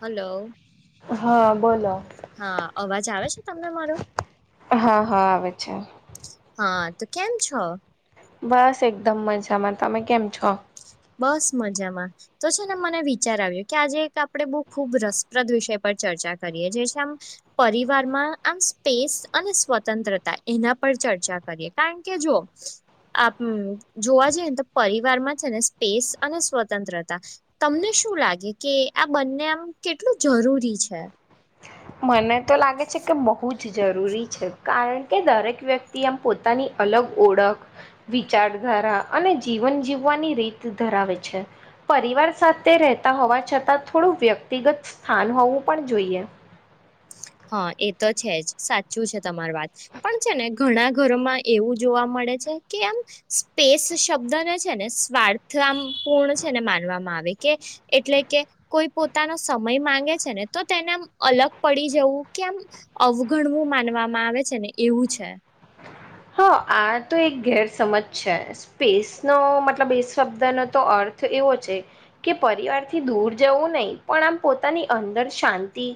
Hello. હા. બોલો હા અવાજ આવે છે તમને મારો? હા હા આવે છે. હા તો કેમ છો? બસ એકદમ મજામાં, તમે કેમ છો? બસ મજામાં તો છે ને મને વિચાર આવ્યો કે આજે એક આપડે બઉુ ખુબ રસપ્રદ વિષય પર ચર્ચા કરીએ જે આમ પરિવારમાં આમ સ્પેસ અને સ્વતંત્રતા એના પર ચર્ચા કરીએ કારણ કે જો આપ જોવા જઈ ને તો પરિવાર માં છેને પેસ અને સ્વતંત્રતા તમને શું લાગે કે આ બંને આમ કેટલું જરૂરી છે. મને તો લાગે છે કે બહુ જ જરૂરી છે કારણ કે દરેક વ્યક્તિ આમ પોતાની અલગ ઓળખ વિચાર ધાર અને જીવન જીવવાની રીત ધરાવે છે. પરિવાર સાથે રહેતા હોવા છતાં થોડું વ્યક્તિગત સ્થાન હોવું પણ જોઈએ. હા એ તો છે જ સાચું છે તમાર વાત પણ છે ને ઘણા ઘરમાં એવું જોવા મળ ળે છે કેમ સ્પેસ શબ્દને છે ને સ્વાર્થ પૂર્ણ છે ને માનવામાં આવે. કે એટલે કે કોઈ પોતાનો સમય માંગે છે ને તો તેને અલગ પડી જેવું કેમ અવગણવું માનવામાં આવે છે ને એવું છે. હા આ તો એક ગેરસમજ છે સ્પેસનો મતલબ એ શબ્દનો તો અર્થ એવો છે કે પરિવાર થી દૂર જવું નહી પણ આમ પોતાની અંદર શાંતિ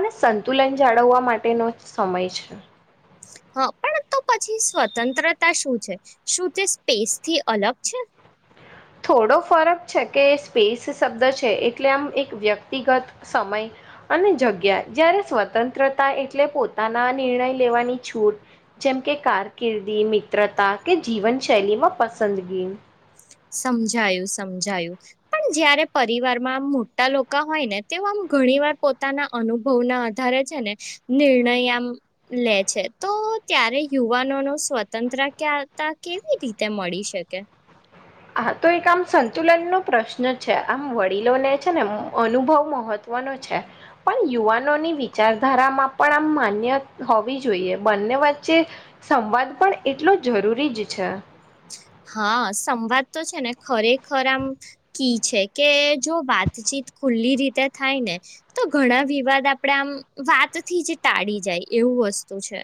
અને સંતુલન જાળવવા માટેનો સમય છે. હા પણ તો પછી સ્વતંત્રતા શું છે શું તે સ્પેસથી અલગ છે. થોડો ફરક છે કે સ્પેસ શબ્દ છે એટલે આમ એક વ્યક્તિગત સમય અને જગ્યા જયારે સ્વતંત્રતા એટલે પોતાના નિર્ણય લેવાની છૂટ જેમ કે કારકિર્દી મિત્રતા કે જીવનશૈલીમાં પસંદગી સમજાયું સમજાયું પણ જયારે પરિવારમાં આમ મોટા લોકો હોય ને તેઓ આમ ઘણી વાર પોતાના અનુભવ ના આધારે છે ને નિર્ણય આમ લે છે તો ત્યારે યુવાનો ન સ્વતંત્ર ક્યા ત કેવી રીતે મળી શકે. હા તો એક આમ સંતુલન નો પ્રશ્ન છે આમ વડીલો લે છે ને અનુભવ મહત્વ વનું પણ યુવાનોની વિચારધારામાં પણ આમ માન્ય હોવી જોઈએ બન વચ્ચે સંવાદ પણ એટલો જરૂરી જ છે. હા સંવાદ તો છે ને ખરેખર આમ કી છે કે જો વાતચીત ખુલ્લી રીતે થાય ને તો ઘણા વિવાદ આપણેે આમ વાતથી જ ટાળી જાય એ વુ વસ્તુ છે.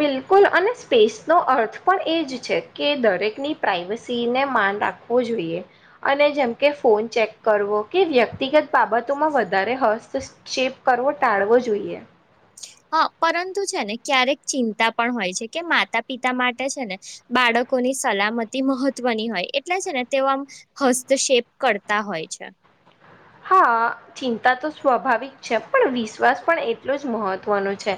બિલકુલ અને સ્પેસનો અર્થ પણ એ જ છે કે દરેકની પ્રાઈવસીને મા ન રાખવો જોઈ અને જેમ કે ફોન ચેક કરવો કે વ્યક્તિગત બાબતોમાં વધારે હસ્તક્ષેપ કરવો ટાળવો જોઈએ. હા પરંતુ છે ને ક્યારેક ચિંતા પણ હોય છે કે માતા પિતા માટે છે ને બાળક ની સલામતી મહત્વની હોય એટલે છે ને તેઓમ હસ્તક્ષેપ કરતા હોય છે. [inaudible] હા ચિંતા તો સ્વાભાવિક છે પણ વિશ્વાસ પણ એટલો જ મહત્વનો છે.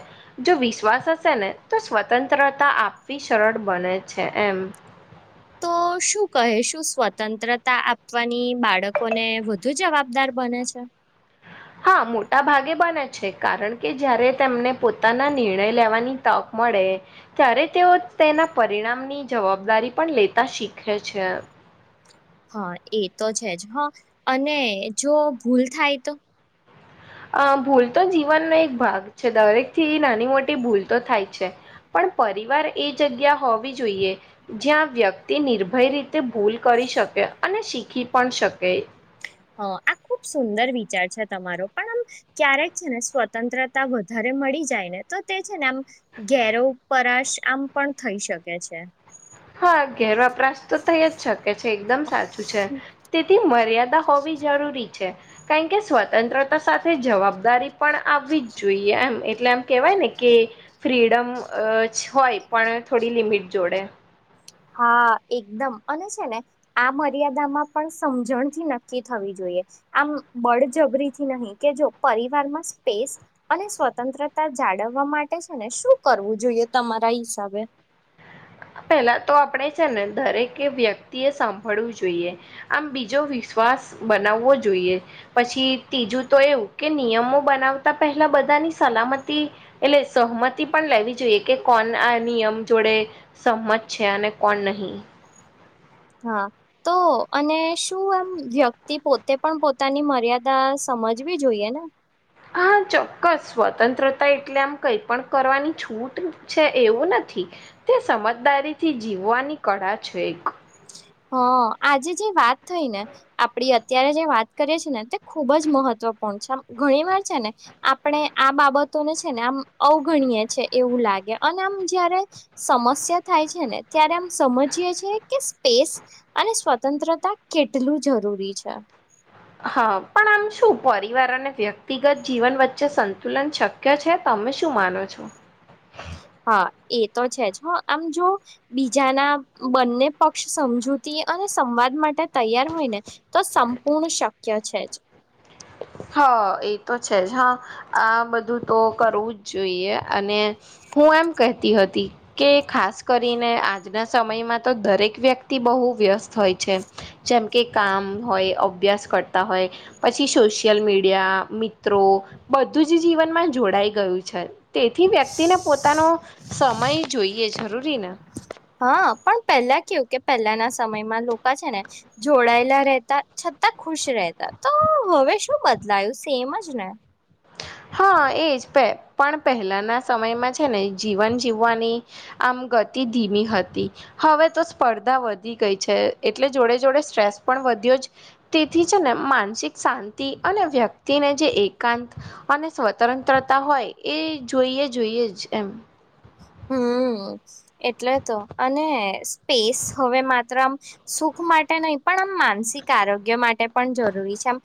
જો વિશ્વાસ હશે ને તો સ્વતંત્રતા આપવી સરળ બને છે એમ. [inaudible] તો શું કહે શું સ્વતંત્રતા આપવાની બાળકોને વધુ જવાબદાર બને છે. હા મોટા ભાગે બને છે કારણ કે જયારે તેમને પોતાના નિર્ણય લેવાની તક મળે ત્યારે તેઓ તેના પરિણામની જવાબદારી પણ લેતા શીખે છે. હા એ તો છે જ હા અને જો ભૂલ થાય તો, અ ભૂલ તો જીવનનો એક ભાગ છે દરેક થી નાની મોટી ભૂલ તો થાય છે પણ પરિવાર એ જગ્યા હોવી જોઈએ. જ્યાં વ્યક્તિ નિર્ભય રીતે ભૂલ કરી શકે અને શીખી પણ શકે. હ આ. ખુબ સુંદર વિચાર છે તમારો પણ આમ ક્યારેક છે ને સ્વતંત્રતા વધારે મળી જાય ને તો તે છે ને આમ ઘેરો પરાશ આમ પણ થઈ શકે છે. હા ઘેર વપરાશ તો થઈ જ શકે છે એકદમ સાચું છે તેથી મર્યાદા દા હોવી જરૂરી છે. કારણ કે સ્વતંત્રતા સાથે જવાબદારી પણ આવવી જ જોઈએ એમ એટલે એમ કેવાય ને કે કે ફ્રીડમ અ હોય પણ થોડી લિમિટ જોડે. હા એકદમ અને છે ને આ મર્યાદામાં પણ સમજણથી નક્કી થવી જોઈએ. આમ બળજબરીથી નહી કે જો પરિવારમાં સ્પેસ અને સ્વતંત્રતા. જાળવવા માટે છે ને શું કરવું જોઈએ તમારા હિસાબે. પેલા તો આપણેે છેને દરેકે વ્યક્તિ એ સાંભળવું જોઈએ આમ બીજો વિશ્વાસ બનાવવો જોઈએ પછી ત્રીજું તો એવું કે નિયમો બનાવતા પેલા બધાની સ સલામતી એટલે સહમતી પણ લેવી જોઈએ કે કોણ આ નિયમ જોડે સહમત છે અને કોણ નહીં. હા તો અને શું એમ વ્યક્તિ પોતે પણ પોતાની મર્યાદા સમજવી જોઈએ ને. હા ચોક્કસ સ્વતંત્રતા એટલે આમ કઈ પણ કરવાની છૂટ છે એવું નથી. તે સમજદારી થી જીવવાની કળા છે એક. [inaudible] હ આજે જે વાત થઈ ને આપડી અત્યારે જે વાત કરીએે છીએ ને તે ખુબ જ મહત્વ મહત્વપૂર્ણ છે. ઘણી વાર છે ને આપણે આ બાબતોને છે ને આમ અવગણીયે છે એવું લ લાગે. અને આમ જયારે સમસ્યા થાય છે ને ત્યારે આમ સમજી છે. કે સ્પેસ અને સ્વતંત્રતા કેટલું જરૂરી છે. હા પણ આમ શું પરિવાર અને વ્યક્તિગત જીવન વચ્ચે સંતુલન શક્ય છે ત તમે શું માનો છો. [inaudible] હા એ તો છે જ હ આમ જો બીજાના બંને પક્ષ સમજૂતી અને સંવાદ માટે તૈયાર હોય ને તો સંપૂર્ણ શક્ય છે જ. હા એ તો છે જ હા આ બધું તો કરવું જ જોઈએ અને હું એમ કહેતી હતી કે ખાસ કરીને આજના સમયમાં તો દરેક વ્યક્તિ બહુ વ્યસ્ત હોય છે જેમ કે કામ હોય, અભ્યાસ કરતા હોય પછી સોશિય સોશિયલ મીડિયા મિત્રો બધું જ જીવનમાં જોડાઈ ગયું છે. તેથી વ્યક્તિને પોતાનો સમય જોઈએ જરૂરી ને. હા પણ પહેલા કેવું કે પહેલાના સમયમાં લોકો છે ને જોડાયેલા રહેતા છતા ખુશ રહેતા તો હવે શું બદલાયું સેમ જ ને. હા એજ પે પણ પહેલાના સમયમાં છે ને જીવન જીવવાની આમ ગતિ ધીમી હતી. હવે તો સ્પર્ધા વધી ગઈ છે એટલે જોડે જોડે સ્ટ્રેસ પણ વધ્યો જ. તેથી માનસિક શાંતિ અને વ્યક્તિને જે એકાંત અને સ્વતંત્રતા હોય એ જોઈએ-જોઈએ જ એમ. હમ્મ. હમ્મ, એટલે તો અને સ્પેસ હવે માત્ર આમ સુખ માટે નહ પણ આમ માનસિક આરોગ્ય માટે પણ જરૂરી છે, આ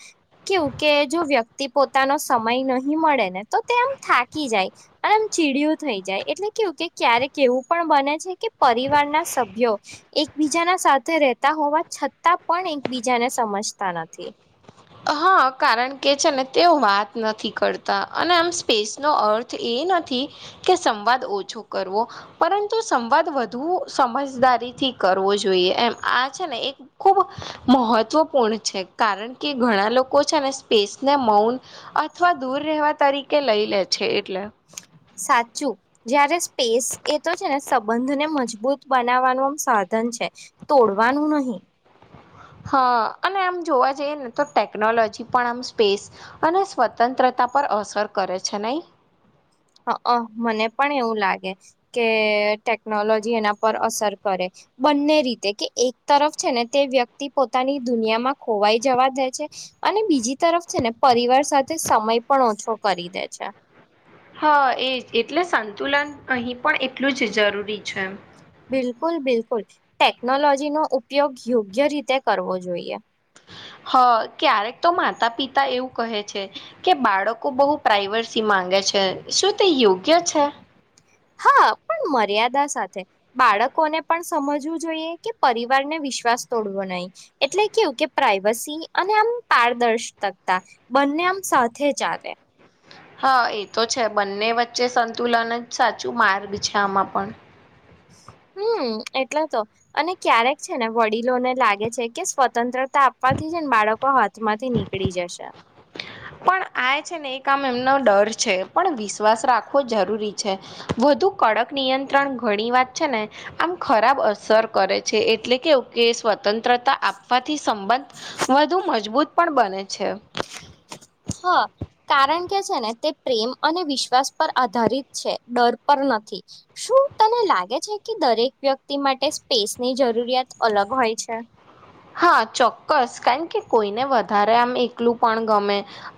કેવું કે જો વ્યક્તિ પોતાનો સમય નહી, મળે ને તો તે આમ થાકી જાય અને આમ ચીડિયું થઈ, જાય એટલે કે ક્યારેક એવું પણ બને છે, કે પરિવાર ના સભ્યો એકબીજાના સાથે રહેતા હોવા, છતાં પણ એકબીજાને સમજતા નથી. હા, કારણ કે છે ને તેઓ વાત નથી કરતા અને આમ સ્પેસ નો અર્થ એ નથી, કે સંવાદ ઓછો કરવો પરંતુ સંવાદ વધુ સમજદારી થી કરવો જોઈએ એમ આ છેને, એ ખૂબ મહત્ત્વપૂર્ણ છે, કારણ કે કે ઘણા લોકો છે, અને સ્પેસને મૌન અથવા દૂર રહેવા તરીકે લઈ એટલે છે, એટલે સાચુ જયારે સ્પેસ એ તો છેને, સંબંધને મજબૂત બનાવવાનું આમ સાધન છે, તોડવાનું નહી હા, અને આમ જોવા જઈએ ને તો ટેકનોલોજી પણ આમ સ્પેસ અને સ્વતંત્રતા પર અસર કરે છે, નહી મને પણ એવુ લાગે, કે ટેકનોલોજી એના પર અસર કરે બને રીતે કે એક તરફ છેને, તે વ્યક્તિ પોતાની દુનિયામાં ખોવાઈ જવા દે છે. અને બીજી તરફ છે, ને પરિવાર સાથે સમય પણ ઓછો કરી દે છે. હ, એ એટલે સંતુલન અહી પણ એટલું જ જરૂરી છે. બિલકુલ, બિલકુલ ટેકનોલોજી નો ઉપયોગ યોગ્ય રીતે કરવો જોઈએ હા, ક્યારેક તો માતા પિતા એવું કહે છે કે બાળકો બાહો પ્રઇવર્સી માંગે શુ, તે યોગ્ય છે. હા મર્યાદા સાથે બાળકોને પણ સમજવું, જોઈએ કે પરિવારને વિશ્વાસ તોડવો નહી એટલે કેું કે પ્રાઈવસી, અને આમ પારદર્શકતા બંને આમ સાથે જદ હા, એ તો છે બંને વચ્ચે સંતુલન જ સાચું માર્ગ છે આમાં પણ હ હમ એટલે, તો અને ક્યારેક છેને વડીલોને લાગે છે કે સ્વતંત્ર આપવાથી જ, ને બાળકો હાથમાંથી નીકળી જશે પણ આ છે ને, એકામ એમનો ડર છે પણ વિશ્વાસ રાખવો જરૂરી છેુ. તોું કડક નિયંત્રણ ઘણી વાત છેને, આમ ખરાબ અસર કરે છે, એટલે કેવું કે સ્વતંત્ર તા આપવાથી, સંબંધ વધુ મજબૂત પણ બને છે. હા, કારણ કે છેને, તે પ્રેમ અને વિશ્વાસ પર આધારિત છે, ડર પર નથી શું તને લાગે છે, કે દરેક વ્યક્તિ માટે સ્પેસની જરૂરિયાત અલગ હોય અચ્છા હા, ચોક્કસ કારણ કે કોઈને વધારે આમ એકલું પણ ગમે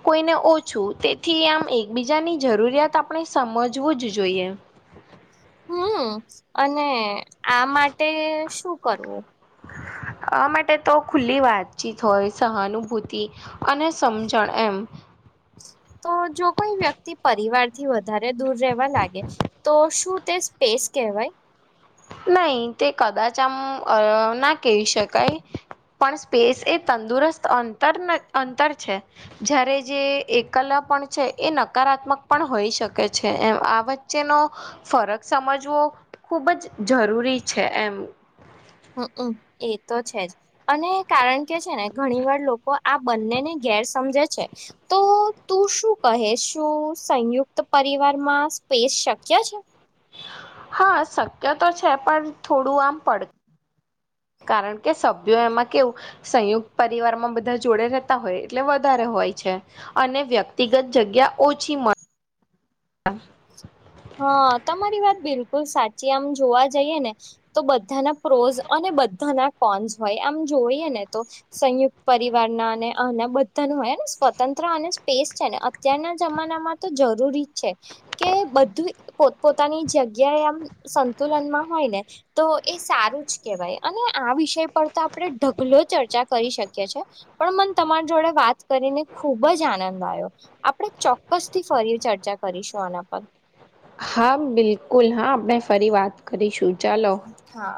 કોઈને, ઓછ છુ, તેથી આમ એકબીજાની જરૂરિયાત આપણે સમજવું જ જોઈએ હમ, અને આ માટે શું કરવુ આ માટે, તો ખુલ્લી વાતચીત હોય સહાનુભૂતિ અને સમજણ એમ તો જો કોઈ વ્યક્તિ પરિવારથી, વધારે દૂર રહેવા લાગે તો શું તે સ્પેસ એ કવાય નહી તે કદાચ, આમ ના કહી, શકાય પણ સ્પેસ એ તંદુરસ્ત અંતર અંતર છે, જ્યારે જે એકલપ પણ છે, એ નકારાત્મક પણ હોઈ શકે છે, એમ આ વચ્ચેનો ફરક સમજવો ખૂબ જ જરૂરી છે, એમ હમમ એ તો છે, જ અને કારણ કે છેને, ઘણી વાર લોકો આ બંનેને ર સમજે છે, તો તું શું કહે શું સંયુક્ત પરિવારમા પેશ શક્ય છે. હા શક્ય તો છે પણ થોડું આમ પડ [inaudible] કારણ કે સભ્યો એમાં કેવું સંયુક્ત પરિવારમાં બધા જોડે રહેતા હોય એટલે વધારે હોય છે. અને વ્યક્તિગત જગ્યા ઓછી મળે. આહ હા તમારી વાત બિલકુલ સાચી આમ જોવા જઈએ ને તો બધાના પ્રોઝ અને બધા ના કોન્સ હોય આમ જોઈએ ને તો સંયુક્ત પરિવાર ના અને અના બધા ના અને સ્વતંત્ર અને સ્પેસ છે ને અત્યારના જમાનામાં તો જરૂરી છે કે બધ બધું પોત પોતાની જગ્યા એ આમ સંતુલનમાં હોય ને તો એ સારું જ કેહવાય. અને આ વિષય પર તો આપણે ઢગલો ચર્ચા કરી શકીએ છીએ પણ મન તમારા જોડે વાત કર કરીને ખૂબ જ આનંદ આવ્યો આપણે ચોક્કસથી ફરી ચર્ચા કરીશું આના પર. હા બિલકુલ હા આપણે ફરી વાત કરીશું ચલો. હા